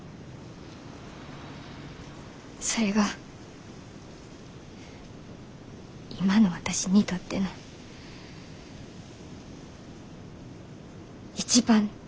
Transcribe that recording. それが今の私にとっての一番大事なことや。